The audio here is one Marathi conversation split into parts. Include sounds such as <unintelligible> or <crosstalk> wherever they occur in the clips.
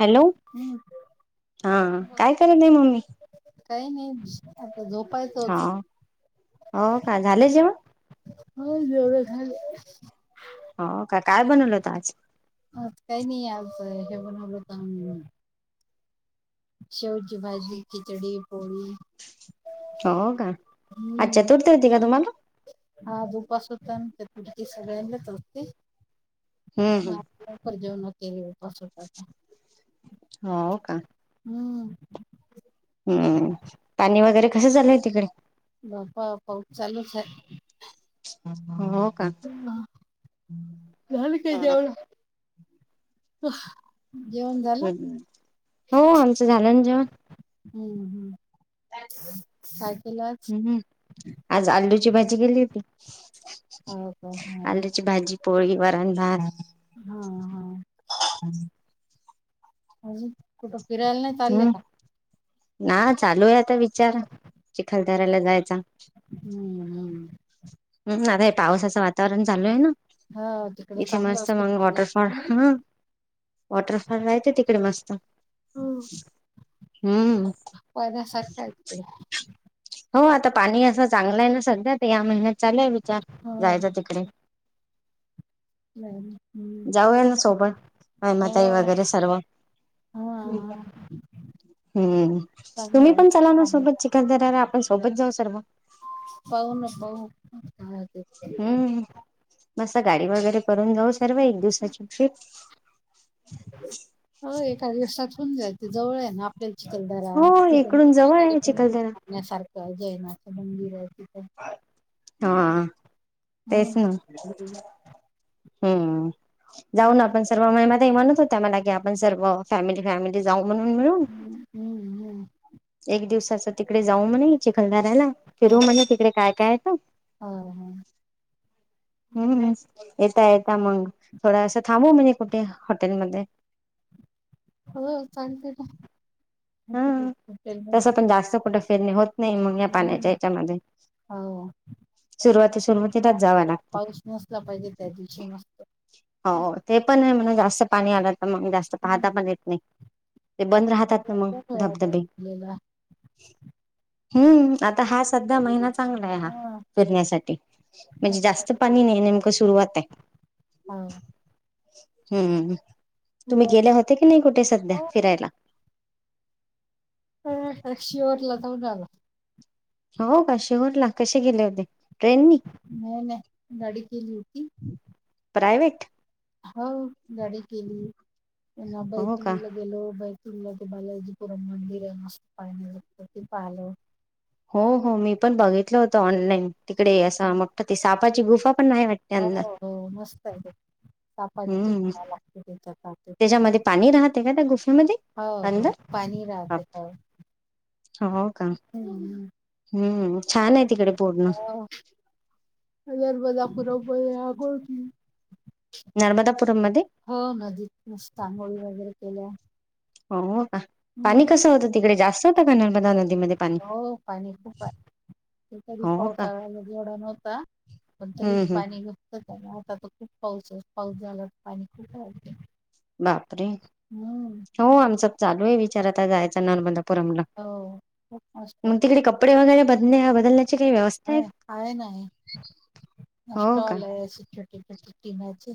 हॅलो. हम्म. हा काय कराले मम्मी? काही नाही बसलोय. हा. हो का. झालं जेवन? हो जेवण झाल. हो का काय बनवल होत आज? हेवण हल तर <unintelligible> शेवचीभजी, खिचडी, पोळी. हो का अच्छा. हम्म. तुरत होती का तुम्हाला. त्यापडकी सगळ्यांनाच आवडते. हम्म हम्म मगजेव न के <unintelligible> सता हो का हम्म. हम्म पाणी वगैरे कसं चालूय तिकडे? बपा फोन चालूच हाय.. हा. ह झाल काय जेवण.? जेवण झालं? हम् हो आमचं झालं ना जेवण. हम्म हम. हम् आज आलूची भाजी केेली होती. हो का हा. आलूची भाजी पोळी. वरण. भात. हा. हा. अजून कुठं फिरायला नाही चाललेय हम्म का? ना चालू आहे आता विचार. चिखधरायला जायचा. हम्म हम्म. हम्म आता हे पावसाच वातावरण. वातावरण झालोय ना हा तिकडे इथे चांगलं मस्त मग असते वॉटरफॉल हा. वॉटरपार्क ला जाते तिकडे मस्त. हम हम्म पयदा सरखकड <unintelligible> हो आता पाणी असं चांगलं आहे ना सध्या. तर या महिन्यात चालूय विचार हो जायचा तिकडे. जायचं. जाऊया ना सोबत. मायमाताई वगैरे सर्व. हा हा हम्म. चांगलं तुम्ही आहे. पण चला ना सोबत चिकनधरायला. आपण सोबत जाऊ सर्व. पाहू. ना पाहू. होते ते हम्म बस. गाडी वगैरे करून जाऊ सर्व. एक दिवसाची ट्रीप. हो एक देवसात होऊन जाइल ते जवळ आहे ना आपल्या चिखलदरा, हो खूप इकडून जवळ आहे चिखलदरा बघण्यासारखं जैनाचं मंदिर आहे ति हा, तेच हम्म न. हम्म, जाऊ ना हम्म आपण सर्व मे मध्ये म्हणत होत्या मला की आपण सर्व फॅमिली फॅमिली जाऊ म्हणून मिळून, हम्म एक दिवसाचं तिकडे जाऊ म्हणे चिखलदाऱ्याला हा फिरू म्हणे तिकडे काय काय आहे त. हा हम्म, येता येता मग थोडंसं थांबू म्हणे कुठे हॉटेलमध्ये. हो चालते ना हम्म, तसं पण जास्त कुठं फिरणे होत नाही मग या पाण्याच्या हम्म याच्यामध्ये. हो. सुरुवाती सुरुवातीलाच जावं लागतं पाऊस नसला पाहिजे त्या दिव हो ते पण आहे म्हणं, जास्त पाणी आलं तर मग जास्त पाहता पण येत नाही. ते बंद राहतात ना मग धबधबे, हम्म आ ता हा सध्या हम्म. महिना चांगलाय हा. फिरण्यासाठी, म्हणजे जास्त पाणी नाही नेमकं सुरुवात आहे. हा. हम्म, तुम्ही गेले होते की नाही कुठे सध्या फिरायला? अ शेवटला जाऊन आलो. हो <unintelligible> कसे गेले होते? ट्रेननी नाही नाही, गाडी केली होती. प्रायवेट? हो, गाडी केली पुन्हा हो का बैतूलला गेलो बै तुला ते बालाजी पुराण मंदिर आहे मस्त पाहिला होतं, ते पाहिलं. हो हो, मी पण बघितलं होतं ऑनलाईन, तिकडे असं मोठ्ठ ते सापाची गुफा पण नाही हो हो, मस्त आहे ते. तापाची हूम्म चहा लागते त्याच्या तापात त्याच्यामध्ये पाणी राहते, का त्या गुफेमध्ये? हो हो अंदर पाणी बाप, राहते हो. हो का हम्म छान आहे तिकडे पूर्ण ह अजर बधा पुूर <unintelligible> बोल की नर्मदापुरम मध्ये हो, नदीत मस्त आंगोळी वगैरे केल्या हो हो का पाणी हम्म. कसं होतं तिकडे? जास्त होत का <unintelligible> पाणी हो पाणी खूप हाय. तरी हो का पावसाळा्याला जेवढा नव्हता, पण तरी हम्म हम्म पाणी होत. आता तर खूप पाऊस, पाऊस झाला पाणी खूप रहा ते. बापरे! हो आमचा चालू ए विचार, आता जायचा नांनबंद पूरमला हो खूप मस्त मग तिकडे कपडे वगैरे ब बदलण्याची काही व्यवस्था आहे हाये. आहे स्टॉल ए छोटी छोटी पिनांची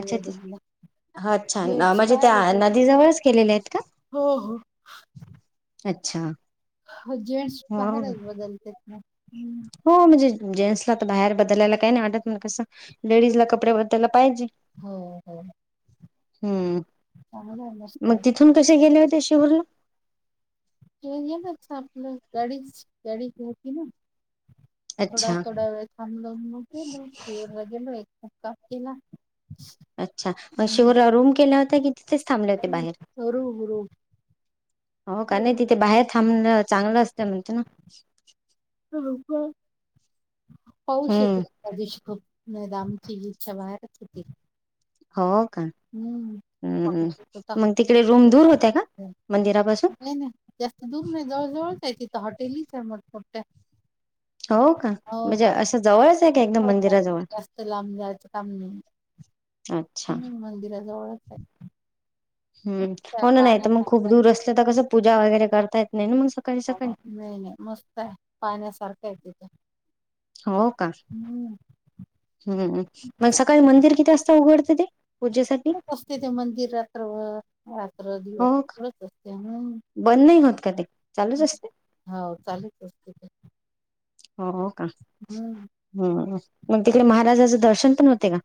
अच्छा चल अच्छा जेंट्स म्हणजे त्या बाहेरच आहेत नदीजवळच केलेल्या आहेत. का हो हो. अच्छा. हो जेंट्स हो का बाहेरच बदलतेत ना. हम्म हो म्हणजे जेंट्सला तर बाहेर बदलायला काही नाही वाटत, म कसं लेडीजला कपडे बदलाय. हो हो. हम् चांगलं आहे मस्त मग आहे तिथून कसे गेले होते असे? शर <unintelligible> याच वेगळंच आपलं, गाडीच गाडी घ्यायची ना? थोडा अच्छा थोडा वेळ थांबलो न गेलो म प्युअर् व्हेज गेलो तसाच केला. अच्छा, हम्म. मग <unintelligible> रूम केल्या होत्या की तिथेच थांबले होते बाहेर? हुरूप हुरूप हो का? नाही तिथे बाहेर थांबणं चांगलं असतं म्हणतं ना? <unintelligible> पाऊस येत हम्म होता त्या दिवशी खूप. नायतर आमची इच्छा बाहेरच होती. हो का? हम्म हम्म, पाऊस येत होता मग तिकडे रूम दूर होत्या का? मंदिरा नाही नाही, जास्त दूर नाही जवळ जवळच आहे तिथं हॉटेलीच आहे मोठमोठ्या. हो का हो म्हणजे हा, असं जवळच आहे का एकदम जवळच हाय, मंदिराजवळ जास्त लांब जायचं काम नाही. अच्छा हम्म मंदिराजवळच आहे. हम्म, काय हो ना नाही तर मग खूप पाहण्यासारखं आहे. दूर असले तर कसं पूजा वगैरे करता येत नाही ना मग. सकाळी हो, सकाळी नाही नाही मस्त आहे पाहण्यासारखं हाय ते. हो का? हम्म, मग मस्त सकाळी मंदिर किती वासता उघडतं ते? पूजेसाठी? उघडच असते ते मंदिर रात्रभर, रात्र दिवस हो का उघडच असते ह. बंद नाही होत? का ते चालूच असते? हो चालूच असते. हो का? हम्म हम्म, मग तिकडे महाराजाचं दर्शन पण होते का?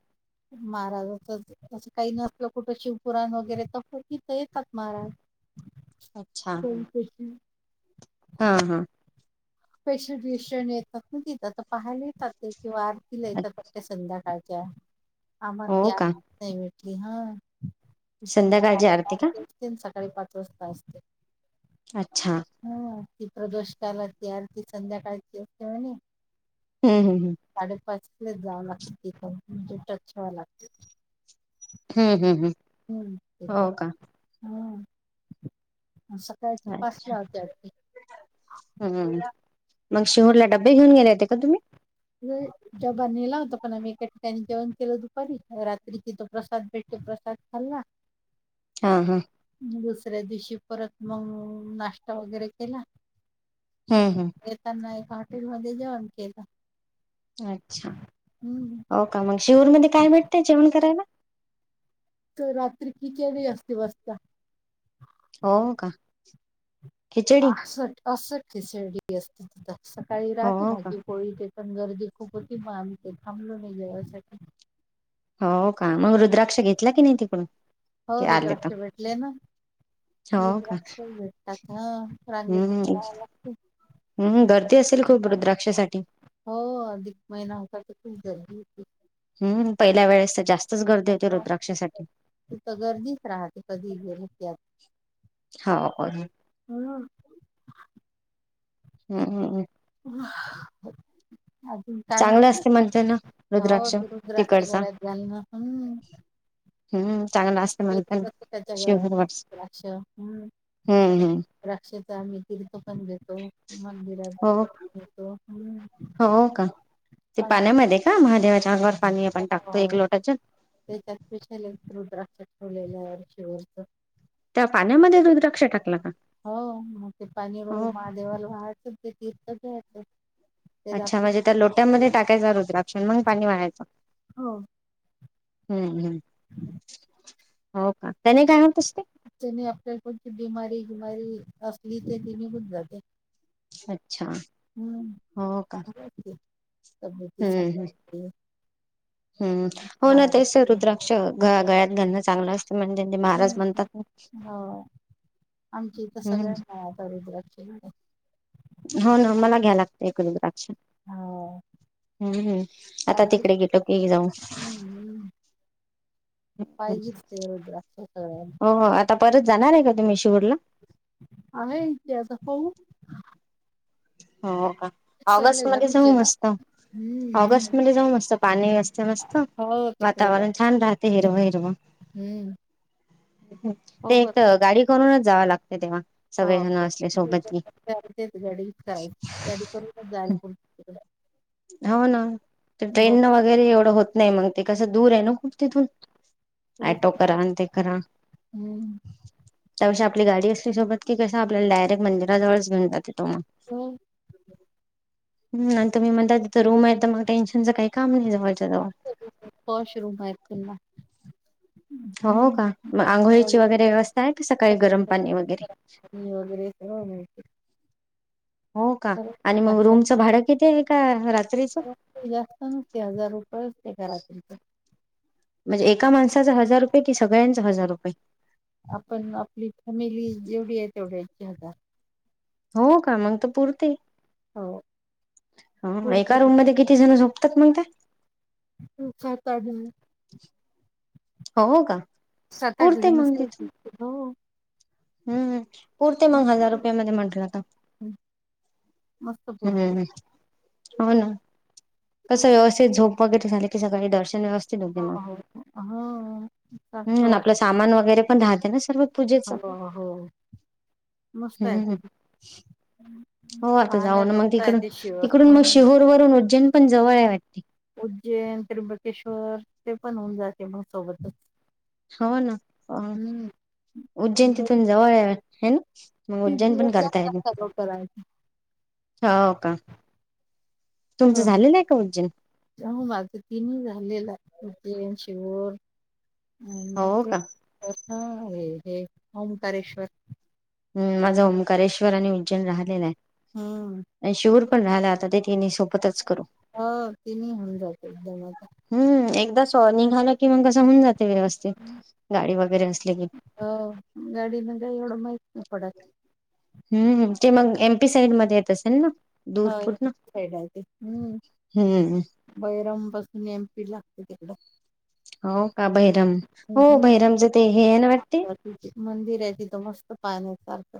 महाराजाचं तसं काय नसलं कुठं शिव कुराण वगैरे तर हो तिथं येतात महाराज अच्छा <unintelligible> हा हा. पेशंट बिशंट येतात ना तिथं तर पाहायला येतात ते, किंवा आरतीला येतात वाटतं संध्याकाळी. च्या, आम्हाला ती हो का आरती नाही भेटली हा. ती संध्याकाळची संध्याकाळी आरती का? चारची असते अन् सकाळी पाच वाजता असते. अच्छा. हा ती प्रदोष कालातली आरती, संध्याकाळची असते म्हने. हम्म हम्म साडेपाच लाच जाव लागत तीथ, म्हजे टच व्हाव लागत. हू हू हू. हूम तेचा हां. सकाळची पाच ला होते आरती. हम्म मग शेवटला डब्बे घेऊन गेले होते का तुम्ही? हुहू नेला होता पण आम्ही एका ठिकाणी जेवण केलं दुपारी, रात्री तिथ प्रसाद भेटतो. प्रसाद खाल्ला. हा हा. दुसऱ्या दिवशी परत मग, नाश्ता वगैरे केला हम्म येताना एक हॉटेल मध्ये जेवण केलं. अच्छा हम्म हो का? मग शिऊरमध्ये काय भेटतय जेवण करायला? तर रात्री खिचडी असती बसता. हो का खिचडी? अस आस असते शिर्डी त सकाळी हो राहत का भाजी पोळी देत. पण गर्दी खूप होती, मग आम्ही ते थांबलो नाही जेवायसाठी हो का? मग रुद्राक्ष घेतला की नाही तिकडून. हो की आले तर रुद्राक्ष भेटले ना. हो का रुद्राक्ष भेटतात हा. रांगेत उभं हम्म राहाव लागत. हम्म गर्दी असेल खूप रुद्राक्षासाठी? हो अधिक महिना होता तर खूप गर्दी होती. हम्म पहिल्या वेळेस तर जास्त तिथं गर्दीच राहते, कधी गेल त्यात हाव, पण <unintelligible> हम्म हम्म हम्म. <unintelligible> काय चांगलं असते म्हणते ना. हो, रुद्राक्ष तू रुद्राच्या तिकडचा गळ्यात झालं ना, ह. हम्म चांगला असते म्हणते ना. <unintelligible> त्याच्या गळ्यात शिवभरवरच रुद्राक्ष हम्म हम्म हम्म रुद्राक्ष त आम्ही <unintelligible> पण देतो मंदिरात हो पण देतो, हम्म. हो का ते चांगलं पाण्यामध्ये का, महादेवाच्या अंगावर पाणी आपण टाकतो एक लोटा जल. तेच्यात पेशल एक रुद्राक्ष ठेवलेलं आहे <unintelligible> त्या पाण्यामध्ये रुद्राक्ष टाक हो, मग ते पाणी रोज का? महादेवाला वहायचं ते अन तीर्थ घेयचं. अच्छा, म्हणजे त्या लोट्यांमध्ये टाकायचा रुद्राक्ष अन मग पाणी वाहायचं? हो. हम्म हम्म. हो का? त्याने काय होत असते त्यानी आपल्याला कोणती बिमारी गुमारी असली तर ती निघून जाते. अच्छा हम्म, हो का चांगलंय की. हम्म हम्म तब्यतीसाठी हम्म, हो ना तेच रुद्राक्ष ग गळ्यात घालणं चांगलं अस ते म्हणजे ते महाराज हम्म म्हणतात ना. आमची इथं सगळ्या हम्म ना रुद्राक्ष हो ना मला घ्या लागतंय एक रुद्राक्ष. हो हम्म हम्म. आता पाहिजे तिकडे गेलो की जाऊन हम्म पाहिजेच की रुद्राक्ष सगळ्यांना हो, हो. आता परत जाणार आहे का तुम्ही शिवडला? आहे इथे अस कोन? हो का ऑगस्ट सगळे मध्ये जाऊ घालूचे ना मस्त, हम्म हम्म ऑगस्ट मध्ये जाऊ मस्त पाणी अ मस्त, मस्त हो तिकडे जा वातावरण छान राहते हिरव-हिरव. हम्म ते पाहू एक आता तर गाडी करूनच जाव लागते तेव्हा सगळेजण असले सोबत की <unintelligible> हो ना तर ट्रेन बघ न वगैरे एवढं होत नाही मग ते कसं दूर आहे ना खूप तिथून पुरं ऍटो करा आणि ते करा हम्म त्यापेक्षा आपली गाडी असली सोबत कि कसं आपल्याला डायरेक्ट मंदिराजवळच घेऊन जाते तो मग हो हम आणि तुम्ही म्हणता तिथ रूम आहे तर मग टेन्शनच काही काम नाही जवळच्या जवळ. पॉश रूम आहेत पुन्हा हो हम्म. का मग आंघोळीची वगैरे व्यवस्था आहे कि सकाळी सगळंच गरम पाणी वगैरे हो, हो. हो का आणि मग रूमचं भाडं किती आहे एका रात्रीच? जास्त नसते <unintelligible> म्हणजे एका माणसाचा हजार रुपये कि सगळ्यांच हजार रुपये? आपण आपली फॅमिली जेवढी आहे तेवढ्यांचे हजार. हो का मंग त पुरते? हो. ह पुरते एका ते. रूम मध्ये किती जण झोपतात मग ते? सात-आठ-जण. हो का. सात-आठ पुरते जण मग तिथं बसतात. हो. हम्म पुरते मग मस्त हजार पुरते रुपया मध्ये म्हटलं का. मस्त पूरतय. हो ना. कसं व्यवस्थित झोप वगैरे झाली की सगळी दर्शन व्यवस्थित होते मग. हो हा अस असल हम्म आणि आपलं वाटत. सामान वगैरे पण राहते ना सर्व पूजेचं हो हो मस्त आहे हम्म तिथ. हो आता जाऊ ना मग तिकड-तिकडून मग शिहोर वरून उज्जैन पण जवळ आहे वाटते. उज्जैन, त्र्यंबकेश्वर, ते पण होऊन जाते मग सोबतच. हो ना हम्म उज्जैनतीतून जवळ या हे ना. मग बत्तीस उज्जैन पण दिवस करताय लागतात म सगळं करायला हो का. तुमचं ह झालेलं आहे का उज्जैन माझं तीनही झालेलं आहे. उज्जैन, शिवर, आणि हो का त्र्यंबकेश्वर. हा रे हे. ओमकारेश्वर. हम् माझा ओंकारेश्वर आणि उज्जैन राहिलेला आहे. हम. आणि शिहूर पण झाल आता तेनी पण सोबतच. करू ह तेिनी होऊन जात एकदम आता. हो निघाला कि मग कस पण जातं. व्यवस्थित गाडी वगैरे असले की. हो गाडीन काही एवढं माहित नाही पडत हम्म ते मग ए. म. पी साईड मध्ये येत असेल ना. दूर हा एम. पी. पूर्ण साईड येते हम्म. हम्म बैरम पासून एम. पी लागते तिकडं. हो का बहिरम हो हम्म बहिरमच ते हे आहे ना वाटते. बाकीचे मंदिर आहे तिथं मस्त पाण्यासारखं.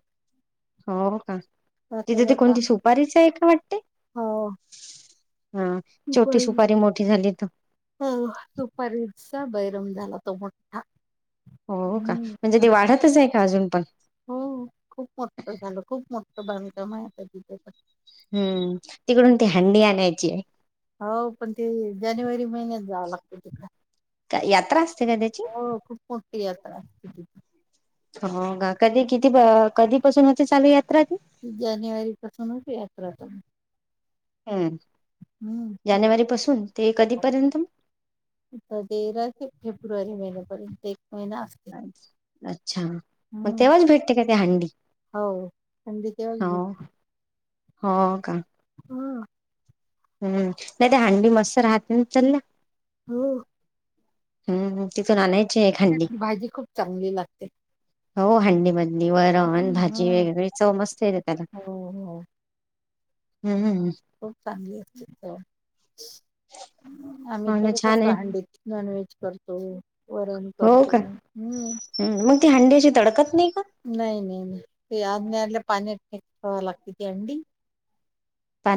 हो का तिथे ते कोणती सुपारीच आहे का वाटते. हा हो छोटी सुपारी मोठी झाली तर हा सुपारीचा बैरम म झाला तो मोठठा. हो का म्हणजे ते वाढतच आहे का अजून. पण हो खूप मोठं झालं. खूप मोठं बांधकाम आहे आता तिथ. हम्म तिकडून ती हंडी आणायची आहे. हो पण ते जानेवारी महिन्यात जावं लागत तथडे. का यात्रा असते का त्याची हो खूप मोठी यात्रा हो का कधी किती कधीपसून होते चालू यात्रा. ती त जानेवारी पासून होते यात्रा आता. हम् जानेवारी पासून ते कधीपर्यंत? आ तेरा ते फेब्रुवारी महिन्यापर्यंत एक महिना असते. मग. अच्छा मग हम्म. तेव्हाच भेटते का ते हंडी. हो हंडी तेव्हाच हो भेटते. हो का. हं, हम्म. नाही ते हांडी मस्त राहते चांगल्या. हो. हम्म. हम. ते. भाजी खूप चांगली लागते. हो हंडी मधली वरण. भाजी. हम्म. वगैरे चव मस्त येते त्याला. हो हो हम्म. हम. खूप चांगली असते चव. आम्ही हो ना करत छान असतो आहे हंडीत नॉन व्हेज करतो, वरण करतो हम्म. हम् मग ते हंडी अशी तडकत नाही का? ती आणल्या आणल्या पाण्यात टाकावे लागते ती अंडी का